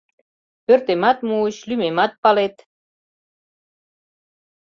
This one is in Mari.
— Пӧртемат муыч, лӱмемат палет.